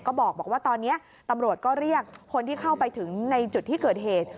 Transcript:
ก็บอกว่าตอนนี้ตำรวจก็เรียกคนที่เข้าไปถึงในจุดที่เกิดเหตุ